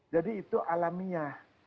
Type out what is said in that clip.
jadi itu alaminya